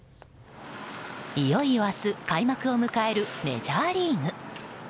いよいよ明日開幕を迎えるメジャーリーグ。